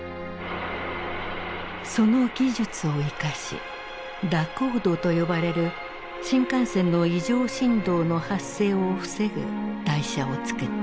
その技術を生かし蛇行動と呼ばれる新幹線の異常振動の発生を防ぐ台車をつくった。